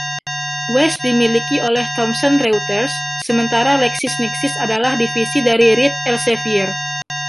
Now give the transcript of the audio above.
West dimiliki oleh Thomson Reuters, sementara LexisNexis adalah divisi dari Reed Elsevier.